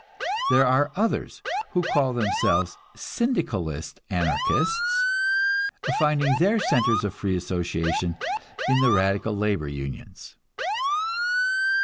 There are others who call themselves Syndicalist anarchists, finding their centers of free association in the radical labor unions.